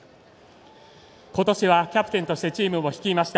今年はキャプテンとしてチームを率いました。